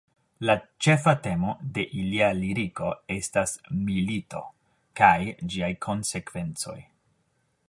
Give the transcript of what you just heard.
La ĉefa temo de ilia liriko estas milito kaj ĝiaj konsekvencoj.